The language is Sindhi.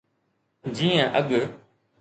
جيئن اڳ.